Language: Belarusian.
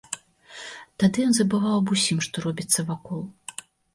Тады ён забываў аб усім, што робіцца вакол.